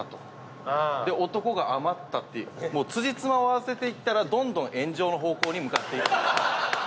で男が余ったってつじつまを合わせていったらどんどん炎上の方向に向かっていった。